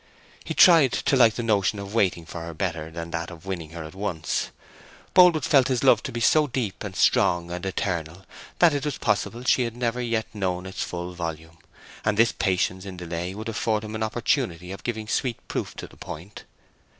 He tried to like the notion of waiting for her better than that of winning her at once. Boldwood felt his love to be so deep and strong and eternal, that it was possible she had never yet known its full volume, and this patience in delay would afford him an opportunity of giving sweet proof on the point.